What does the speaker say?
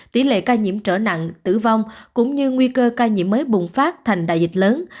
tỷ lệ ca nhiễm trở nặng tử vong cũng như nguy cơ ca nhiễm mới bùng phát thành đại dịch lớn